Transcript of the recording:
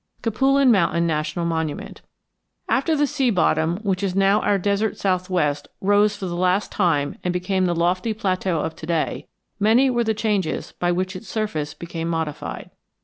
CAPULIN MOUNTAIN NATIONAL MONUMENT After the sea bottom which is now our desert southwest rose for the last time and became the lofty plateau of to day, many were the changes by which its surface became modified.